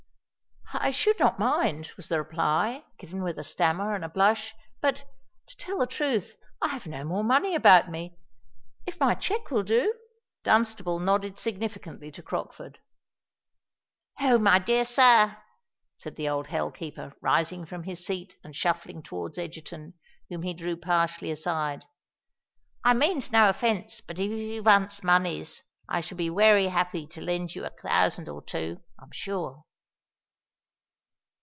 "I should not mind," was the reply, given with a stammer and a blush; "but—to tell you the truth—I have no more money about me. If my cheque will do——" Dunstable nodded significantly to Crockford. "Oh! my dear sir," said the old hell keeper, rising from his seat and shuffling towards Egerton, whom he drew partially aside; "I means no offence, but if you vants monies, I shall be werry 'appy to lend you a thousand or two, I'm sure."